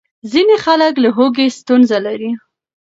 ځینې خلک له هوږې ستونزه لري.